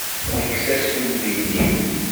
Tekkes-as tuggdi-nni.